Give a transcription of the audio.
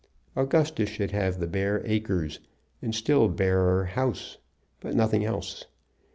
Augustus should have the bare acres, and still barer house, but nothing else.